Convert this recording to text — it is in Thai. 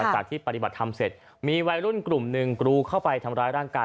จากที่ปฏิบัติธรรมเสร็จมีวัยรุ่นกลุ่มหนึ่งกรูเข้าไปทำร้ายร่างกาย